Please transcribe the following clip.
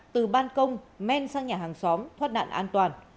từ ban công men sang nhà hàng xóm thoát nạn an toàn